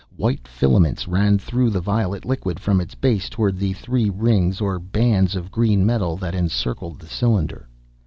White filaments ran through the violet liquid from its base toward the three rings or bands of green metal that encircled the cylinder.